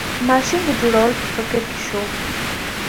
ماشین د جوړولو په فکر کې شو.